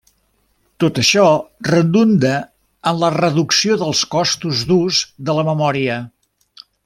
Tot això redunda en la reducció dels costos d'ús de la memòria.